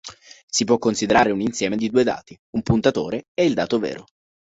Si può considerare un insieme di due dati: un puntatore e il dato vero.